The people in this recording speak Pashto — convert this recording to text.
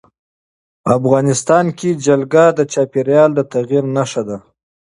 افغانستان کې جلګه د چاپېریال د تغیر نښه ده.